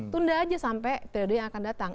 tunda aja sampai periode yang akan datang